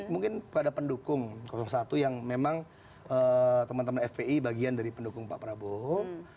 mungkin pada pendukung satu yang memang teman teman fpi bagian dari pendukung pak prabowo